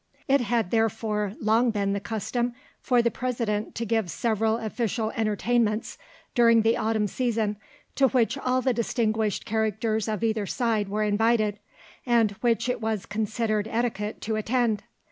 It had therefore long been the custom for the President to give several official entertainments during the autumn season, to which all the distinguished characters of either side were invited, and which it was considered etiquette to attend.